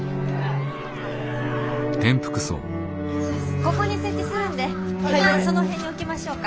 ここに設置するんで一旦その辺に置きましょうか。